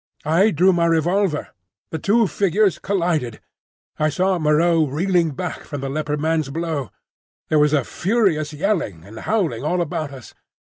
I drew my revolver. The two figures collided. I saw Moreau reeling back from the Leopard man's blow. There was a furious yelling and howling all about us.